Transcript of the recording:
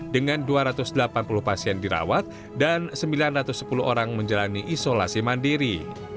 dengan dua ratus delapan puluh pasien dirawat dan sembilan ratus sepuluh orang menjalani isolasi mandiri